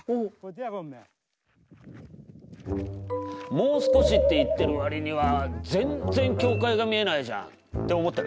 「もう少し」って言ってる割には全然教会が見えないじゃんって思ってる？